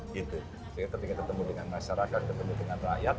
jadi ketika ketemu dengan masyarakat ketemu dengan rakyat